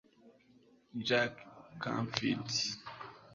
jack canfield